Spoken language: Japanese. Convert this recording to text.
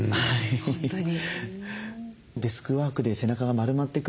本当に。